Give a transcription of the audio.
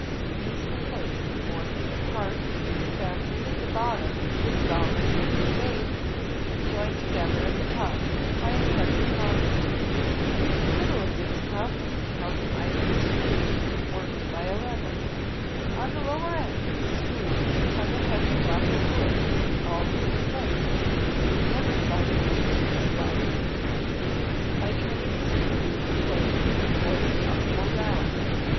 These were placed four feet apart, fastened at the bottom to a solid wooden base, and joined together at the top by a heavy crossbeam. The middle of this crossbeam held an iron screw worked by a lever. On the ' lower end of the screw hung a heavy block of wood called the plate, the under side of which was flat and smooth. By turning the screw, the plate could be forced up or down.